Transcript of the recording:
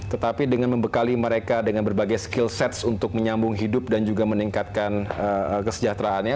tetapi dengan membekali mereka dengan berbagai skill sets untuk menyambung hidup dan juga meningkatkan kesejahteraannya